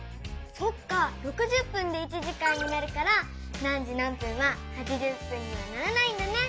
そっか６０分で１時間になるから何時何分は８０分にはならないんだね。